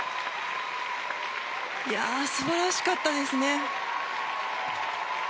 素晴らしかったですね。